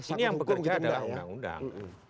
ini yang bekerja adalah undang undang